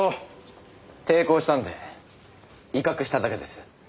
抵抗したので威嚇しただけです。